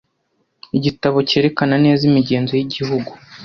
Igitabo cyerekana neza imigenzo y'igihugu.